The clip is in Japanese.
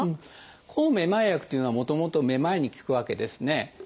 抗めまい薬というのはもともとめまいに効くわけですね。